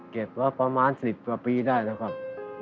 เก็บมาประมาณ๑๐กว่าปีได้แล้วครับ